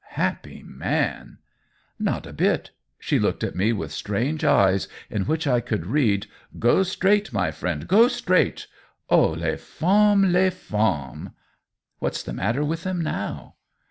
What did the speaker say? " Happy man !" "Not a bit. She looked at me with strange eyes, in which I could read, *Go straight, my friend — ^go straight!' Oh, les femmeSy les femmes P"* " What's the matter with them now